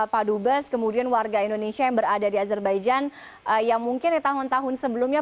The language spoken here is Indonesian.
pak dubes kemudian warga indonesia yang berada di azerbaijan yang mungkin di tahun tahun sebelumnya